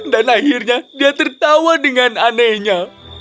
dan akhirnya dia tertawa dengan anehnya